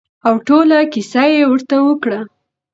او ټوله کېسه يې ورته وکړه.